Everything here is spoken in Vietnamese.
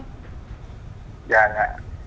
dạ dạ dạ cảm ơn anh